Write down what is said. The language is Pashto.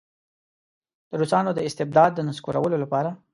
د روسانو د استبداد د نسکورولو لپاره.